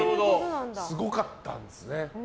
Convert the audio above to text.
すごかったんですね。